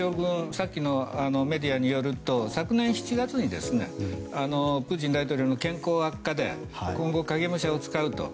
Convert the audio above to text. さっきのメディアによると昨年７月にプーチン大統領の健康悪化で今後、影武者を使うと。